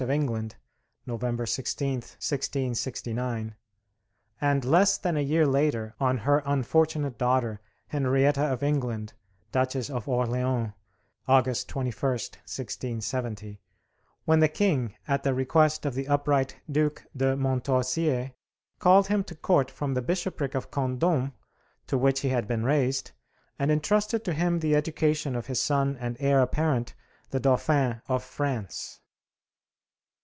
of England (November 16th, 1669), and less than a year later, on her unfortunate daughter, Henrietta of England, Duchess of Orleans (August 21st, 1670), when the King, at the request of the upright Duke de Montausier, called him to court from the bishopric of Condom to which he had been raised, and intrusted to him the education of his son and heir apparent, the Dauphin of France.